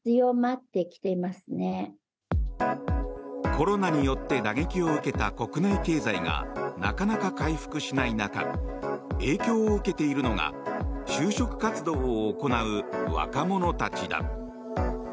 コロナによって打撃を受けた国内経済がなかなか回復しない中影響を受けているのが就職活動を行う若者たちだ。